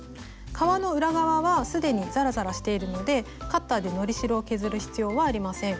革の裏側は既にザラザラしているのでカッターでのり代を削る必要はありません。